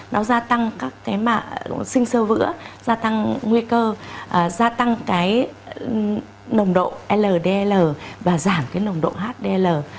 nó gia tăng các sinh sơ vữa gia tăng nguy cơ gia tăng cái nồng độ ldl và giảm cái nồng độ hdl